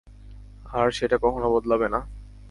আর সেটা কখনো বদলাবে না।